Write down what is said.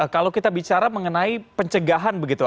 kalau kita bicara mengenai pencegahan begitu